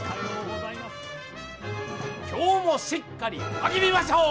今日もしっかり励みましょう！